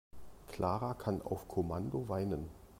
Clara kann auf Kommando weinen.